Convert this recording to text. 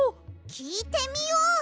きいてみよう！